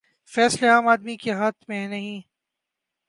فیصلے عام آدمی کے ہاتھ میں نہیں۔